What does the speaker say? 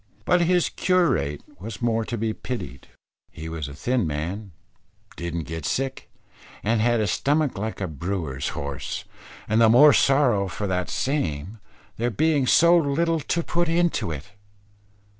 But his curate was more to be pitied, he was a thin man, didn't get sick, and had a stomach like a brewer's horse; and the more sorrow for that same, there being so little to put into it.